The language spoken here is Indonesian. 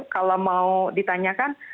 kalau mau ditanyakan